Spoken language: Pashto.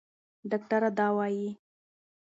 ډاکټره دا وايي.